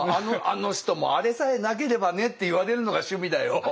「あの人もあれさえなければね」って言われるのが趣味だよ。